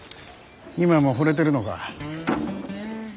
今もほれてるのか。